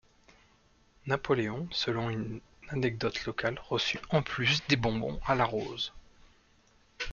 Napoléon, selon une anecdote locale, reçut en plus des bonbons à la rose.